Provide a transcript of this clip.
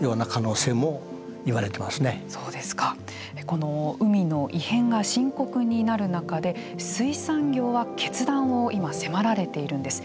この海の異変が深刻になる中で水産業は決断を今迫られているんです。